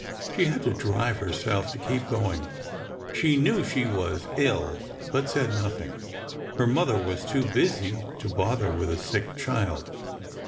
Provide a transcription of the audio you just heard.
She had to drive herself to keep going. She knew that she was ill—but said nothing; her mother was too busy to bother with a sick child.